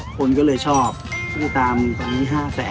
คนก็เลยชอบตามตอนนี้๕๕๐๐๐๐๐บาท